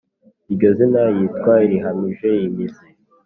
iryo zina yitwa rihamije imizi